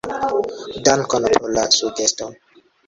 Dankon pro la sugesto.